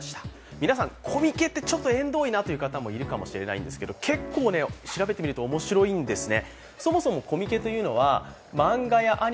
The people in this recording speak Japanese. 皆さん、コミケってちょっと縁遠いなという方もいるかと思いますけど結構、調べてみると面白いんですね。